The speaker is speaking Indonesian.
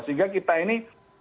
sehingga kita ini